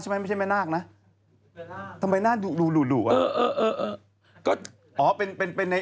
ไม่ใช่แม่นากนะทำไมหน้าดูดูดูดูอ่ะ